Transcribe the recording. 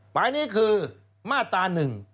หมายนี้คือมาตรา๑๑